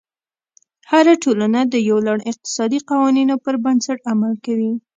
هره ټولنه د یو لړ اقتصادي قوانینو پر بنسټ عمل کوي.